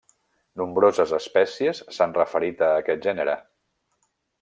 Nombroses espècies s'han referit a aquest gènere.